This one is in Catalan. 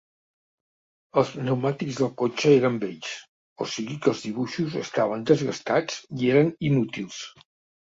Els pneumàtics del cotxe eren vells, o sigui que els dibuixos estaven desgastats i eren inútils.